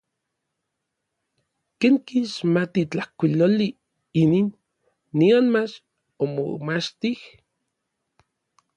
¿Ken kixmati tlajkuiloli n inin, nionmach omomachtij?